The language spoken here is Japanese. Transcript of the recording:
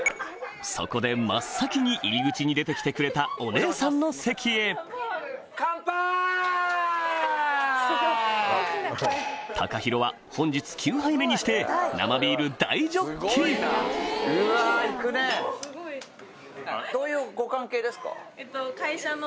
そこで真っ先に入り口に出てきてくれたお姉さんの席へＴＡＫＡＨＩＲＯは本日９杯目にして生ビール大ジョッキ会社の。